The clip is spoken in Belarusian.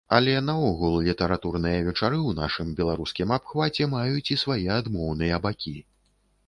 Але наогул літаратурныя вечары ў нашым беларускім абхваце маюць і свае адмоўныя бакі.